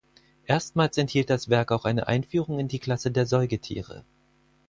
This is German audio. Erstmals enthielt das Werk auch eine Einführung in die Klasse der Säugetiere.